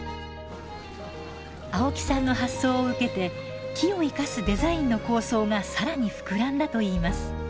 青木さんの発想を受けて木を生かすデザインの構想が更に膨らんだといいます。